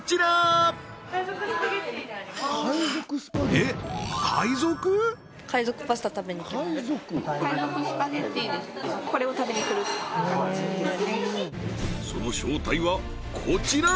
えっその正体はこちら！